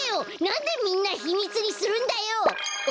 なんでみんなひみつにするんだよ！